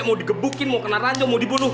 mau digebukin mau kena ranco mau dibunuh